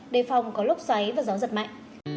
đề phòng có lúc xoáy và gió giật mạnh